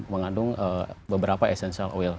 mengandung beberapa essential oil